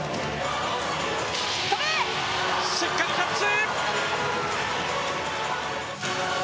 しっかりキャッチ！